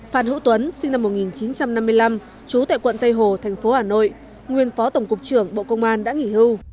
phan hữu tuấn sinh năm một nghìn chín trăm năm mươi năm trú tại quận tây hồ thành phố hà nội nguyên phó tổng cục trưởng bộ công an đã nghỉ hưu